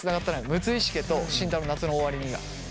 「六石家」と慎太郎の「夏の終わりに」が。